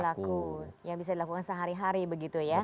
perilaku yang bisa dilakukan sehari hari begitu ya